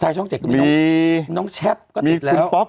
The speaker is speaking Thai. ท้ายช่องเจ็กก็มีน้องน้องแชปก็ติดแล้วมีคุณปล็อค